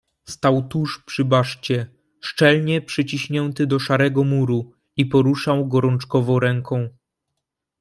"Stał tuż przy baszcie, szczelnie przyciśnięty do szarego muru i poruszał gorączkowo ręką."